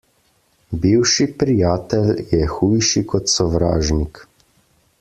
Bivši prijatelj je hujši kot sovražnik.